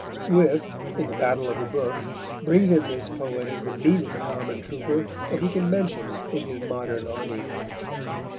Swift, in The Battle of the Books, brings in this poet as the meanest common trooper that he can mention in his modern army.